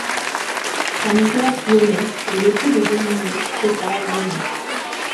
Stanislas Lyonnet est l’époux de Dominique Stoppa-Lyonnet.